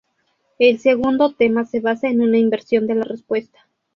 El segundo tema se basa en una inversión de la respuesta.